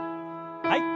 はい。